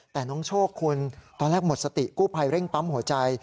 แต่น้องโชคคุณตอนแรกหมดสติกู้ภัยเร่งปั๊มหัวใจ